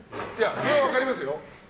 それは分かりますよ。